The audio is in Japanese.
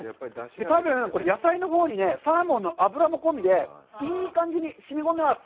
多分、これ野菜のほうにサーモンの脂も込みで、いい感じにしみ込んでます。